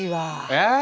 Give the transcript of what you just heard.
えっ？